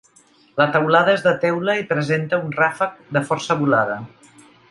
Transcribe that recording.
La teulada és de teula i presenta un ràfec de força volada.